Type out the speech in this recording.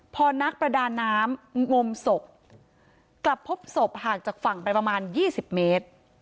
พอนักประดาน้ำงมศพกลับพบศพห่างจากฝั่งไปประมาณ๒๐เมตร